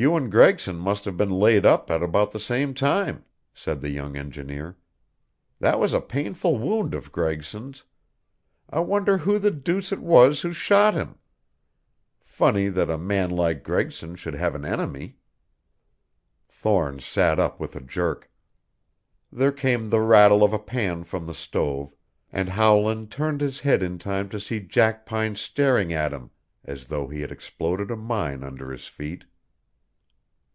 "You and Gregson must have been laid up at about the same time," said the young engineer. "That was a painful wound of Gregson's. I wonder who the deuce it was who shot him? Funny that a man like Gregson should have an enemy!" Thorne sat up with a jerk. There came the rattle of a pan from the stove, and Howland turned his head in time to see Jackpine staring at him as though he had exploded a mine under his feet.